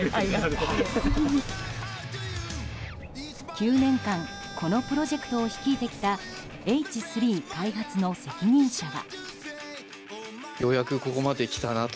９年間このプロジェクトを率いてきたＨ３開発の責任者は。